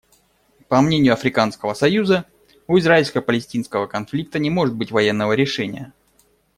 По мнению Африканского союза, у израильско-палестинского конфликта не может быть военного решения.